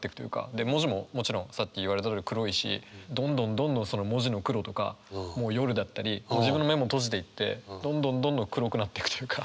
で文字もさっき言われたとおり黒いしどんどんどんどんその文字の黒とかもう夜だったり自分の目も閉じていってどんどんどんどん黒くなってくというか。